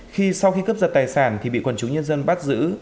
khi sau khi cướp giật tài sản thì bị quần chúng nhân dân bắt giữ